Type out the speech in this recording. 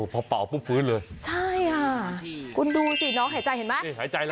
พอเป่าปุ๊บฟื้นเลยใช่ค่ะคุณดูสิน้องหายใจเห็นไหมนี่หายใจแล้ว